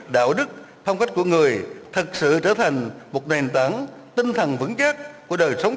đạo đức phong cách của người thật sự trở thành một nền tảng tinh thần vững chắc của đời sống